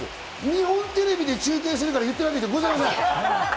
日本テレビで中継するから言ってるわけじゃございません。